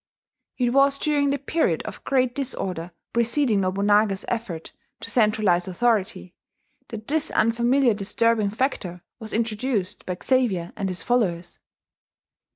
It was during the period of great disorder preceding Nobunaga's effort to centralize authority, that this unfamiliar disturbing factor was introduced by Xavier and his followers.